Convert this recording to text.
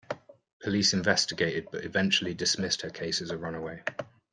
Police investigated but eventually dismissed her case as a runaway.